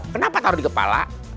kenapa taruh di kepala